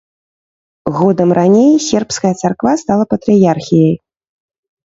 Годам раней сербская царква стала патрыярхіяй.